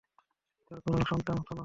তার কোন সন্তান হত না।